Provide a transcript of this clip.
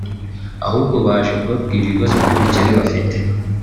ahubwo baje kubabwira ibibazo by’ubukene bafite